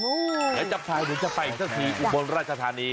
และจับท้ายหนูจะไปเจ้าศรีอุบลราชธานี